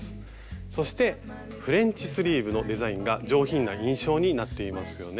そしてフレンチスリーブのデザインが上品な印象になっていますよね。